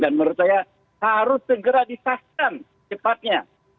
dan menurut saya harus segera disahkan cepatnya